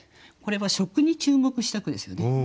これは食に注目した句ですよね。